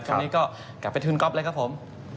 คราวนี้ก็กลับไปทื่นก๊อบเลยครับผม